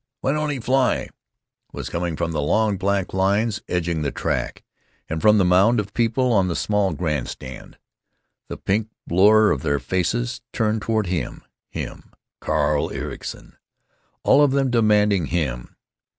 Why don't he fly?" was coming from the long black lines edging the track, and from the mound of people on the small grand stand; the pink blur of their faces turned toward him—him, Carl Ericson; all of them demanding him!